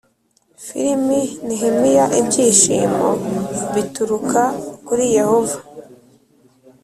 firimi nehemiya ibyishimo bituruka kuri yehova